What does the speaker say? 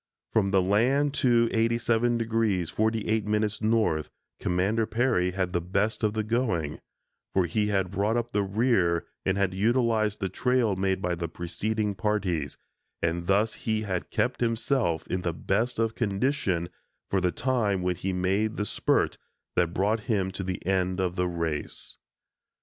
From the land to 87° 48´ north, Commander Peary had had the best of the going, for he had brought up the rear and had utilized the trail made by the preceding parties, and thus he had kept himself in the best of condition for the time when he made the spurt that brought him to the end of the race.